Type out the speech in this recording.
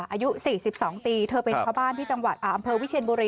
อายุ๔๒ปีเธอเป็นชาวบ้านที่จังหวัดอำเภอวิเชียนบุรี